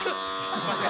すいません。